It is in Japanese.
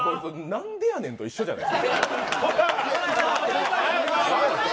なんでやねんと一緒じゃない。